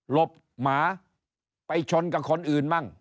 บหมาไปชนกับคนอื่นมั่ง